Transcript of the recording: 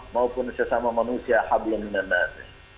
maupun sesama manusia hablu minallah